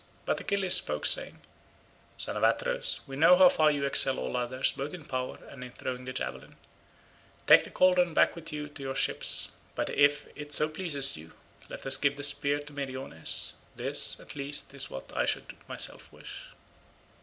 But Achilles spoke saying, "Son of Atreus, we know how far you excel all others both in power and in throwing the javelin; take the cauldron back with you to your ships, but if it so please you, let us give the spear to Meriones; this at least is what I should myself wish."